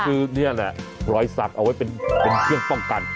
คือนี่แหละรอยสักเอาไว้เป็นเครื่องป้องกัน